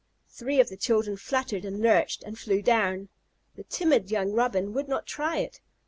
Three of the children fluttered and lurched and flew down. The timid young Robin would not try it.